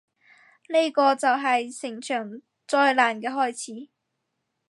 呢個就係成場災難嘅開始